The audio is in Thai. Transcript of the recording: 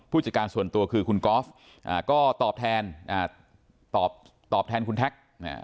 ผู้จัดการส่วนตัวคือคุณก๊อฟก็ตอบแทนคุณแท็ก